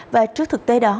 và trước thực tế đó